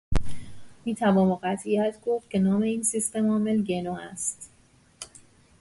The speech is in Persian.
میتوان با قطعیت گفت که نام این سیستمعامل «گنو» است